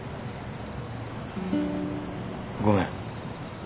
ごめん。